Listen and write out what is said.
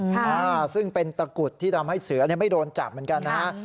ค่ะอ่าซึ่งเป็นตะกุดที่ทำให้เสือเนี่ยไม่โดนจับเหมือนกันนะฮะ